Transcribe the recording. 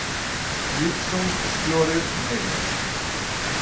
Gibson Explorer negra.